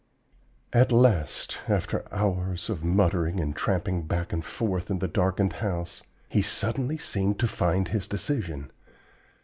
"At last, after hours of muttering and tramping back and forth in the darkened house, he suddenly seemed to find his decision.